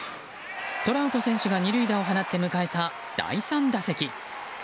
トラウト選手が２塁打を放って迎えた第３打席。